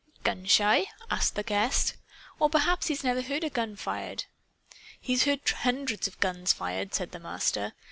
"Gun shy?" asked the guest. "Or perhaps he's never heard a gun fired?" "He's heard hundreds of guns fired," said the Master.